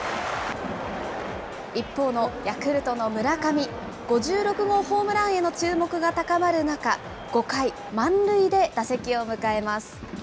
一方のヤクルトの村上、５６号ホームランへの注目が高まる中、５回、満塁で打席を迎えます。